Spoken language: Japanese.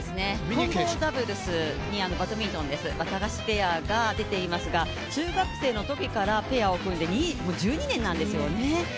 混合ダブルスにバドミントン、ワタガシペアが出ていますが、中学生のときからペアを組んで１２年なんですよね。